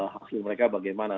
hasil mereka bagaimana